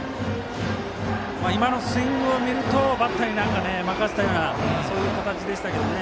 今のスイングを見るとバッターに任せたようなそういう形でしたけどね。